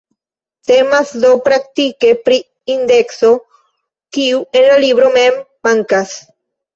Temas do praktike pri indekso, kiu en la libro mem mankas.